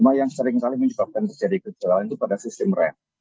yang seringkali menyebabkan terjadi kecelakaan itu pada sistem rem